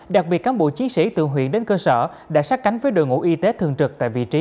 đặc biệt cán bộ chiến sĩ từ huyện đến cơ sở đã sát cánh với đội ngũ y tế thường trực tại vị trí